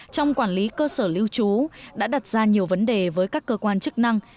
trong quản lý cơ sở lưu trú đã đặt ra nhiều vấn đề với các cơ quan chức năng